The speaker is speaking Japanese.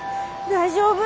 大丈夫。